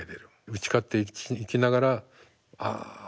打ち勝っていきながら「ああ外尾